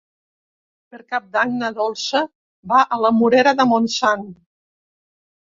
Per Cap d'Any na Dolça va a la Morera de Montsant.